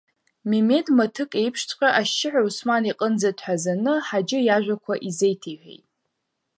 Мемед маҭык еиԥшҵәҟьа ашьшьыҳәа Осман иҟынӡа дҳәазаны Ҳаџьы иажәақәа изеиҭеиҳәеит.